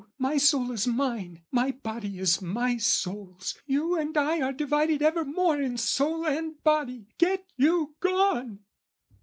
"My soul is mine, my body is my soul's: "You and I are divided ever more "In soul and body: get you gone!"